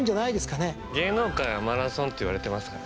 芸能界はマラソンっていわれてますから。